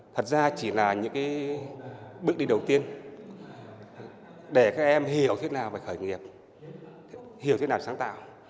thật ra chỉ là những bước đi đầu tiên để các em hiểu thế nào về khởi nghiệp hiểu thế nào sáng tạo